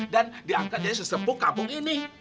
dan diangkat dari sesepuk kampung ini